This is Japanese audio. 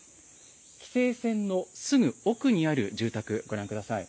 規制線のすぐ奥にある住宅、ご覧ください。